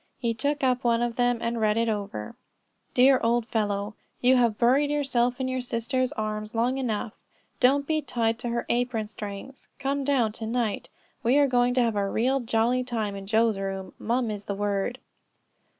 He took up one of them and read it over: "Dear old fellow: You have buried yourself in your sister's arms long enough. Don't be tied to her apron string; come down to night, we are going to have a real jolly time in Joe's room. Mum is the word."